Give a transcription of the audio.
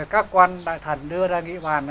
các quan đại thần đưa ra nghị bàn